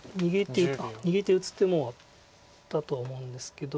逃げて打つ手もあったとは思うんですけど。